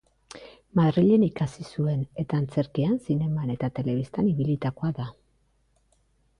Madrilen ikasi zuen eta antzerkian, zineman eta telebistan ibilitakoa da.